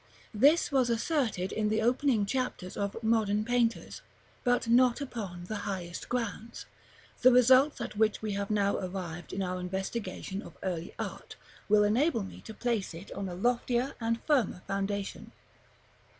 This was asserted in the opening chapters of "Modern Painters," but not upon the highest grounds; the results at which we have now arrived in our investigation of early art, will enable me to place it on a loftier and firmer foundation.